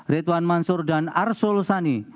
retwan mansur dan arsul lusani